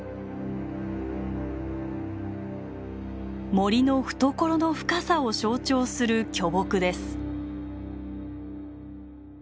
森の懐の深さを象徴する巨木です。